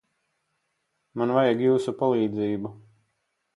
Man vajag jūsu palīdzību.